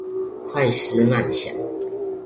快思慢想